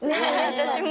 私も。